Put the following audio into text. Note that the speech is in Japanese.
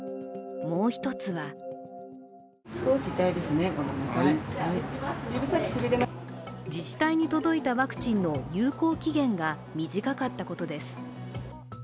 もう一つは自治体に届いたワクチンの有効期限が短かったことです。